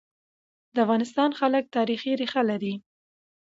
د افغانستان خلک تاریخي ريښه لري.